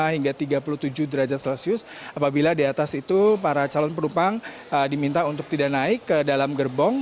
hingga tiga puluh tujuh derajat celcius apabila di atas itu para calon penumpang diminta untuk tidak naik ke dalam gerbong